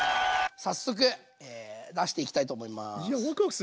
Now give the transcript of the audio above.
早速出していきたいと思います。